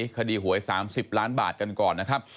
คดีหวย๓๐ล้านบาทกันก่อนนะครับ